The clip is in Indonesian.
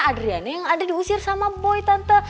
adriana yang ada diusir sama boy tante